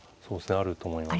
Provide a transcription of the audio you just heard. あると思います。